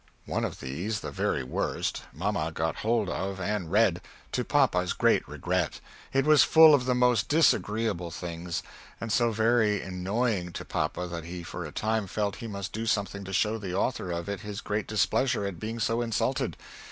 One of these, the very worst, mamma got hold of and read, to papa's great regret, it was full of the most disagreble things, and so very enoying to papa that he for a time felt he must do something to show the author of it his great displeasure at being so insulted.